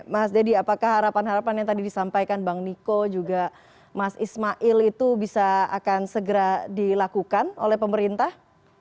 mas deddy apakah harapan harapan yang tadi disampaikan bang niko juga mas ismail itu bisa akan segera dilakukan oleh pemerintah